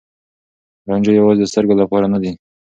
رانجه يوازې د سترګو لپاره نه دی.